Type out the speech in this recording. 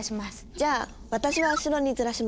じゃあ私は後ろにずらします。